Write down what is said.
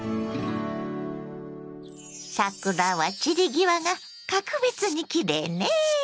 桜は散り際が格別にきれいね！